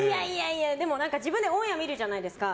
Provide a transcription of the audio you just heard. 自分でオンエアを見るじゃないですか。